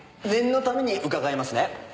念のために伺いますね。